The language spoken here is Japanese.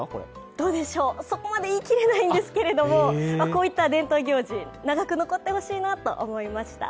どうでしょう、そこまで言い切れないんですけど、こういった伝統行事長く残ってほしいなと思いました。